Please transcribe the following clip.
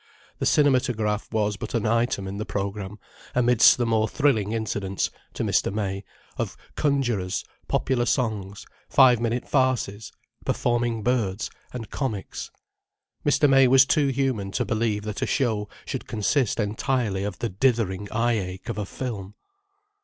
The cinematograph was but an item in the program, amidst the more thrilling incidents—to Mr. May—of conjurors, popular songs, five minute farces, performing birds, and comics. Mr. May was too human to believe that a show should consist entirely of the dithering eye ache of a film.